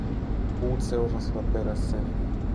Muut seurasivat perässäni.